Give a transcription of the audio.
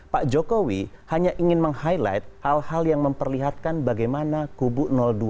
pak jokowi hanya ingin meng highlight hal hal yang memperlihatkan bagaimana kubu dua